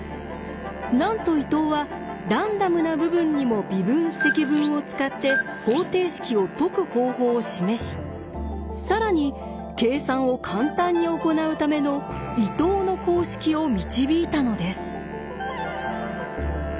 なんと伊藤はランダムな部分にも微分・積分を使って方程式を解く方法を示し更に計算を簡単に行うための「伊藤の公式」を導いたのです。